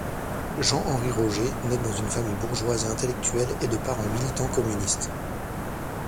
Jean-Henri Roger naît dans une famille bourgeoise et intellectuelle et de parents militants communistes.